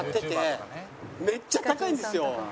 めっちゃ高いんですよ。